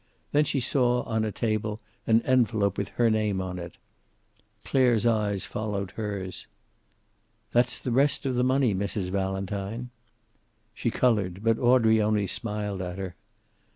Then she saw, on a table, an envelope with her name on it. Clare's eyes followed hers. "That's the rest of the money, Mrs. Valentine." She colored, but Audrey only smiled at her.